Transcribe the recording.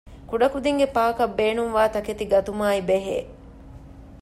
ކުޑަކުދިންގެ ޕާކަށް ބޭނުންވާ ތަކެތި ގަތުމާއި ބެހޭ